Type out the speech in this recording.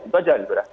itu aja gitu ya